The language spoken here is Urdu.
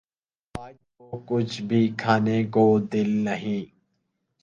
آج تو کچھ بھی کھانے کو دل نہیں